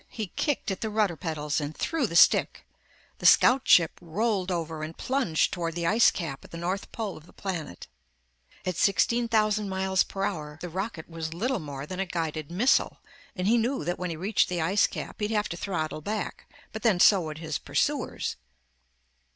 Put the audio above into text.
He kicked at the rudder pedals and threw the stick; the scout ship rolled over and plunged toward the ice cap at the north pole of the planet. At 16,000 m.p.h., the rocket was little more than a guided missile and he knew that when he reached the ice cap, he'd have to throttle back but then so would his pursuers.